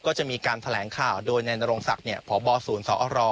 ก็จะมีการแถลงข่าวโดยในนรงศักดิ์พบศูนย์สอร